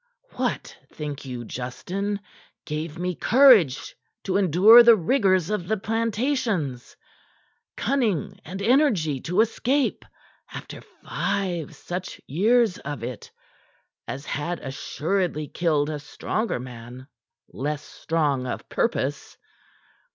"What think you, Justin, gave me courage to endure the rigors of the plantations, cunning and energy to escape after five such years of it as had assuredly killed a stronger man less strong of purpose?